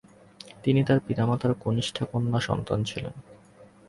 তিনি তার পিতামাতার কনিষ্ঠা কন্যা সন্তান ছিলেন।